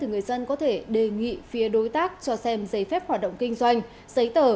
người dân có thể đề nghị phía đối tác cho xem giấy phép hoạt động kinh doanh giấy tờ